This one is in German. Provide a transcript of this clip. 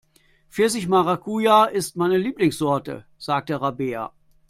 Pfirsich-Maracuja ist meine Lieblingssorte, sagt Rabea.